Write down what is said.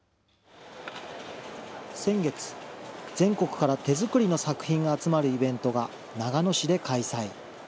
先月、全国から手作りの作品が集まるイベントが、長野市で開催。